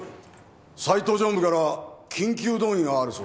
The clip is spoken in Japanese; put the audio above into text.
斉藤常務から緊急動議があるそうです。